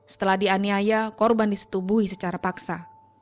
setelah dianiaya korban disetubuhi secara paksa